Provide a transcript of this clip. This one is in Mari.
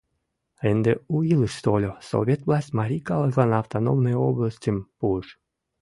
Ынде у илыш тольо, Совет власть марий калыклан автономный областьым пуыш.